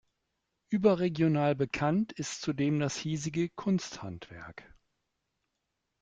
Überregional bekannt ist zudem das hiesige Kunsthandwerk.